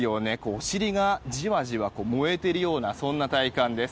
お尻がじわじわと燃えているような体感です。